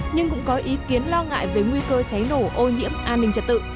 nhưng cũng có ý kiến lo ngại về nguy cơ cháy nổ ô nhiễm an ninh trật tự